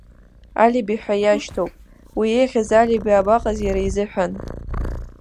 Алиби ҳәа иашьҭоуп, уи еиӷьыз алиби абаҟаз иара изыҳәан.